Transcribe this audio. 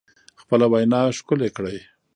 خپله وینا ښکلې کړئ